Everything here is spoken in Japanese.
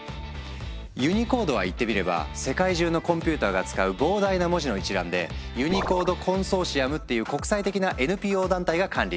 ユニコードは言ってみれば世界中のコンピュータが使う膨大な文字の一覧でユニコード・コンソーシアムっていう国際的なＮＰＯ団体が管理している。